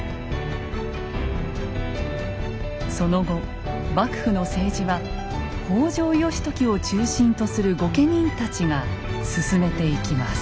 その後幕府の政治は北条義時を中心とする御家人たちが進めていきます。